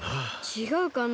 ちがうかな。